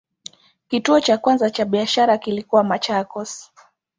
Kituo cha kwanza cha biashara kilikuwa Machakos.